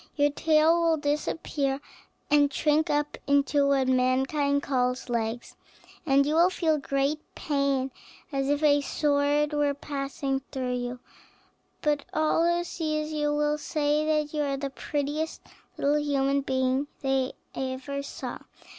Your tail will then disappear, and shrink up into what mankind calls legs, and you will feel great pain, as if a sword were passing through you. But all who see you will say that you are the prettiest little human being they ever saw.